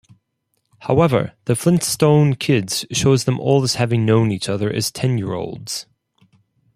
However, "The Flintstone Kids" shows them all as having known each other as ten-year-olds.